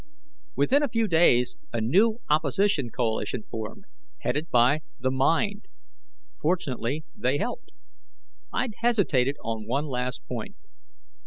Within a few days, a new opposition coalition formed, headed by the Mind. Fortunately, they helped. I'd hesitated on one last point.